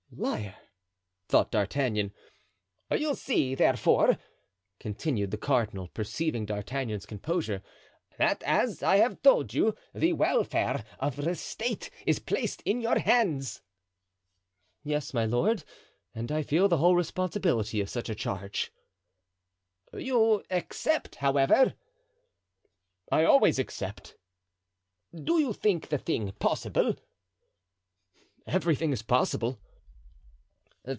"Liar!" thought D'Artagnan. "You see, therefore," continued the cardinal, perceiving D'Artagnan's composure, "that, as I have told you, the welfare of the state is placed in your hands." "Yes, my lord, and I feel the whole responsibility of such a charge." "You accept, however?" "I always accept." "Do you think the thing possible?" "Everything is possible."